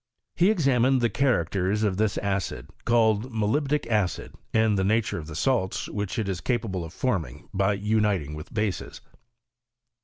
He examined ths characters of this acid, called molybdjc acid, and the nature of the salts which it is capable of forming by uniting with bases.